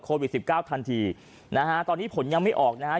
โควิด๑๙ทันทีนะฮะตอนนี้ผลยังไม่ออกนะฮะ